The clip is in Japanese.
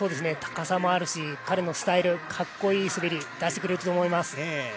高さもあるし、彼のスタイルかっこいい滑り出しきってくれると思います。